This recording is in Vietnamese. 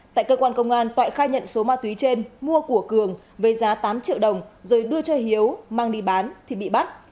tại cơ quan công an toại khai nhận số ma túy trên mua của cường với giá tám triệu đồng rồi đưa cho hiếu mang đi bán thì bị bắt